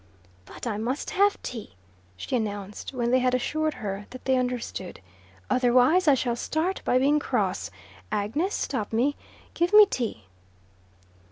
"But I must have tea," she announced, when they had assured her that they understood. "Otherwise I shall start by being cross. Agnes, stop me. Give me tea."